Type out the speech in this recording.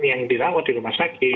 yang dirawat di rumah sakit